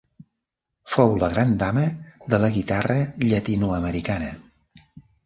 Fou la gran dama de la guitarra llatinoamericana.